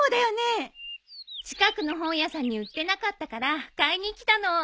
近くの本屋さんに売ってなかったから買いに来たの。